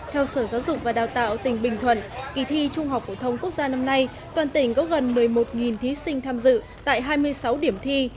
theo sở giáo dục và đào tạo tỉnh bình thuận kỳ thi trung học phổ thông quốc gia năm nay toàn tỉnh có gần một mươi một thí sinh tham dự tại hai mươi sáu điểm thi